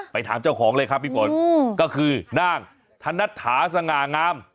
ถามเจ้าของเลยครับพี่ฝนก็คือนางธนัดถาสง่างาม